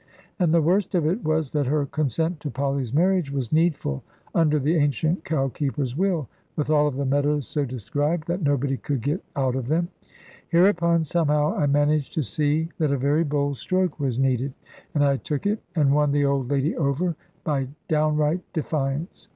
And the worst of it was, that her consent to Polly's marriage was needful, under the ancient cow keeper's will, with all of the meadows so described, that nobody could get out of them. Hereupon, somehow, I managed to see that a very bold stroke was needed. And I took it, and won the old lady over, by downright defiance.